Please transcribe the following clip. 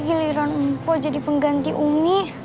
keliruan mpau jadi pengganti ummi